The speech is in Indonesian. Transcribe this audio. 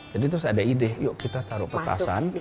jadi terus ada ide yuk kita taruh petasan